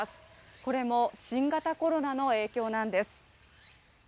これも新型コロナの影響なんです。